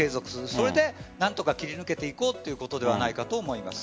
それで何とか切り抜けていこうということではないかと思います。